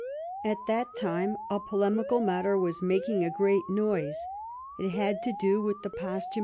At that time a polemical matter was making" a great noise ; it had to do with the posthum.